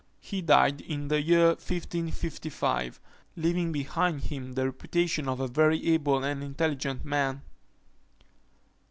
He died in the year 1555, leaving behind him the reputation of a very able and intelligent man.